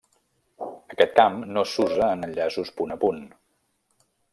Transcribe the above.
Aquest camp no s'usa en enllaços punt a punt.